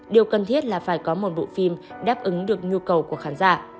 điều cần thiết là phải có một bộ phim đáp ứng được nhu cầu của khán giả